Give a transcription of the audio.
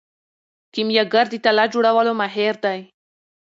کیمیاګر د طلا جوړولو ماهر دی.